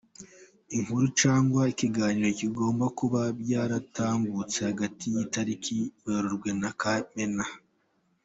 Inkuru cyangwa ikiganiro bigomba kuba byaratambutse hagati y’itariki Werurwe na Kamena .